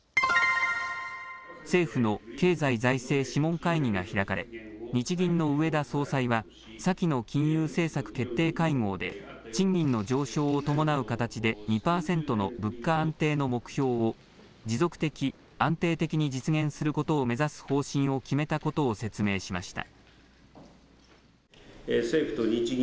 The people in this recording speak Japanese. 政府の経済財政諮問会議が開かれ日銀の植田総裁は先の金融政策決定会合で賃金の上昇を伴う形で２％の物価安定の目標を持続的・安定的に実現することを目指す方針を決めたことを説明しました。